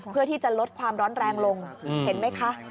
เพื่อที่จะลดความร้อนแรงลงเห็นไหมคะ